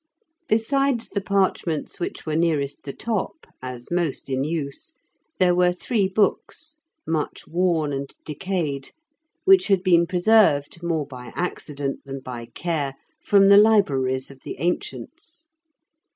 Besides the parchments which were nearest the top, as most in use, there were three books, much worn and decayed, which had been preserved, more by accident than by care, from the libraries of the ancients.